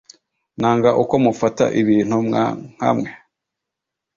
nanga uko mufata ibintu mwa nka mwe